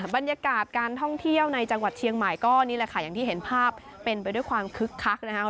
บรรยากาศการท่องเที่ยวในจังหวัดเชียงใหม่ก็นี่แหละค่ะอย่างที่เห็นภาพเป็นไปด้วยความคึกคักนะครับ